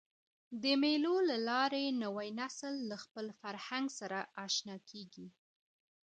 د مېلو له لاري نوی نسل له خپل فرهنګ سره اشنا کېږي.